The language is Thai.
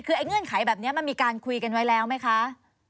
คือไอ้เงื่อนไขแบบนี้มันมีการคุยกันไว้แล้วไหมคะ